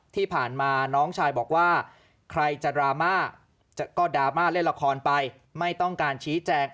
ที่ผ่านมาน้องชายบอกว่าใครจะดราม่าก็ดราม่าเล่นละครไปไม่ต้องการชี้แจง